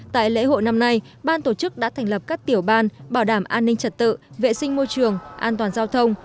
tại lễ hội năm nay ban tổ chức đã thành lập các tiểu ban bảo đảm an ninh trật tự vệ sinh môi trường an toàn giao thông